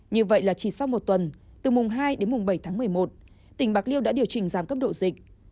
như vậy là chỉ sau một tuần từ mùng hai đến mùng bảy tháng một mươi một tỉnh bạc liêu đã điều chỉnh giảm cấp độ dịch